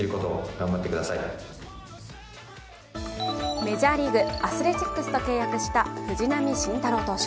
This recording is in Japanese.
メジャーリーグ・アスレチックスと契約した藤浪晋太郎選手。